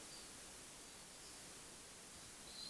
যার নাম নীরব রহস্য।